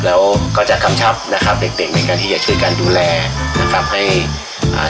แล้วก็จะกำชับนะครับเด็กเด็กในการที่จะช่วยกันดูแลนะครับให้อ่า